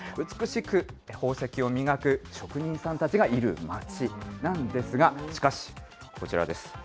美しく宝石を磨く職人さんたちがいるまちなんですが、しかし、こちらです。